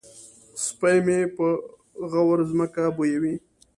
سپی مې په غور ځمکه بویوي.